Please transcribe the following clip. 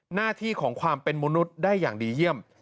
หน้าที่ของความเป็นมนุษย์ได้อย่างดีเยี่ยม